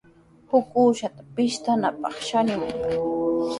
Huk uushata pishtanapaq charimuy.